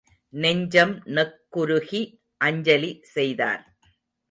நெஞ்சம் நெக்குருகி அஞ்சலி செய்தார்.